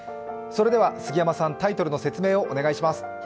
それでは杉山さん、タイトルの説明をお願いします。